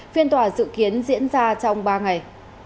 phiên tòa dự kiến diễn ra trong ba ngày